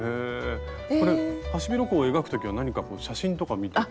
これハシビロコウを描く時は何か写真とか見て。